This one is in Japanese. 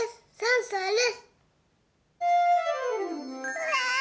うわ！